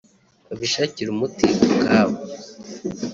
babishakire umuti ubwabo